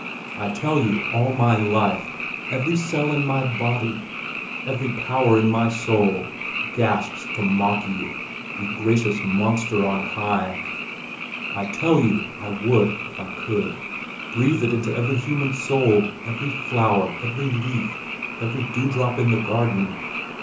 I tell you, all my life, every cell in my body, every power of my soul, gasps to mock you you Gracious Monster on High. I tell you, I would, if I could, breathe it into every human soul, every flower, every leaf, every dewdrop in the garden!